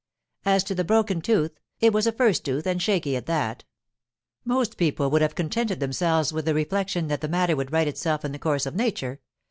As to the broken tooth, it was a first tooth and shaky at that. Most people would have contented themselves with the reflection that the matter would right itself in the course of nature.